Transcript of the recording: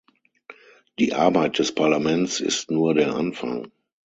Die Arbeit des Parlaments ist nur der Anfang.